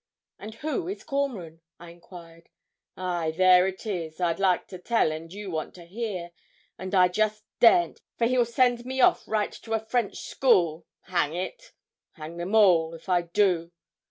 'And who is Cormoran?' I enquired. 'Ay, there it is; I'd like to tell, and you want to hear and I just daren't, for he'll send me off right to a French school hang it hang them all! if I do.'